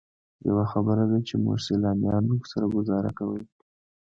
یوه خبره ده چې موږ سیلانیانو سره ګوزاره کوئ.